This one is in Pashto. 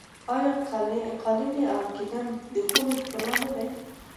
آیا قالي او ګلیم د خونې ښکلا نه ده؟